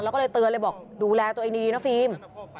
แล้วก็เลยเตือนเลยบอกดูแลตัวเองดีนะฟิล์ม